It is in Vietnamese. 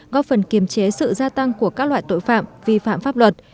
góp phần kiềm chế sự gia tăng của các loại tội phạm vi phạm pháp luật